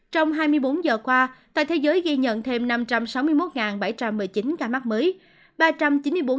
trong hai mươi bốn giờ qua tại thế giới ghi nhận thêm năm trăm sáu mươi một bảy trăm một mươi chín ca mắc mới